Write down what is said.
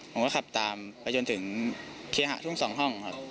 ผมก็ขับตามไปจนถึงเคหะทุ่ง๒ห้องครับ